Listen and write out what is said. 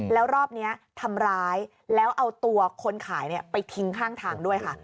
แล้วรอบนี้ทำร้ายแล้วเอาตัวคนขายไปทิ้งข้างทางด้วยค่ะ